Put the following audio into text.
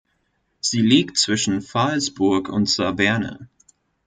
Sie liegt zwischen Phalsbourg und Saverne.